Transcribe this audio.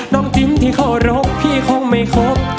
จิ้มที่เคารพพี่คงไม่ครบ